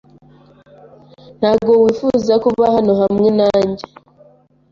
Ntabwo wifuza ko uba hano hamwe nanjye?